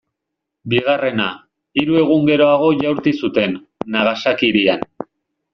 Bigarrena, hiru egun geroago jaurti zuten, Nagasaki hirian.